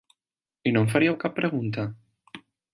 I no em faríeu cap pregunta?